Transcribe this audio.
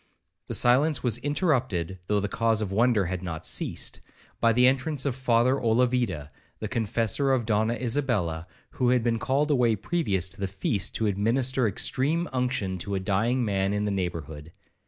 The silence was interrupted, though the cause of wonder had not ceased, by the entrance of Father Olavida, the Confessor of Donna Isabella, who had been called away previous to the feast, to administer extreme unction to a dying man in the neighbourhood.